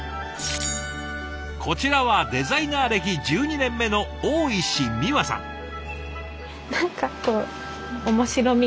こちらはデザイナー歴１２年目の大石美和さん。